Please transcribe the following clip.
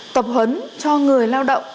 tập hấn cho người lao động